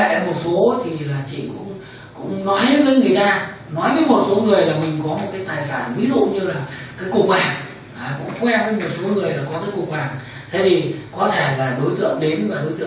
thế thì có thể là đối tượng đến và đối tượng biết nạn nhân có cái tài sản làm cái cục vàng ấy thì là đối tượng gây án để cướp cái tài sản